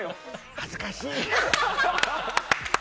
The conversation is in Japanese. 恥ずかしい！